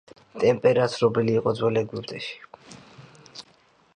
ტემპერა ცნობილი იყო ძველ ეგვიპტეში.